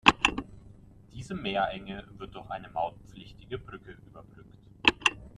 Diese Meerenge wird durch eine mautpflichtige Brücke überbrückt.